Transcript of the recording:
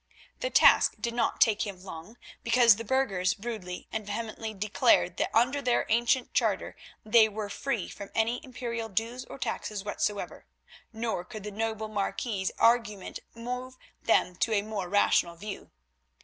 The task did not take him long, because the burghers rudely and vehemently declared that under their ancient charter they were free from any Imperial dues or taxes whatsoever, nor could the noble marquis's arguments move them to a more rational view.